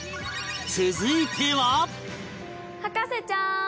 続いては